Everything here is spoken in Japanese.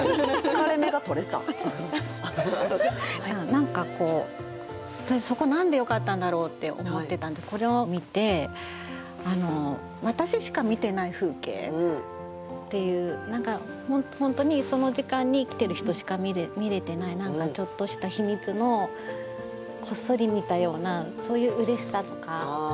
何か「そこ何でよかったんだろう？」って思ってたんでこれを見て私しか見てない風景っていう何か本当にその時間に生きてる人しか見れてない何かちょっとした秘密のこっそり見たようなそういううれしさとか宝物みたいな。